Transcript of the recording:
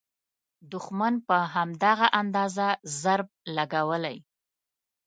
دوښمن په همدغه اندازه ضرب لګولی.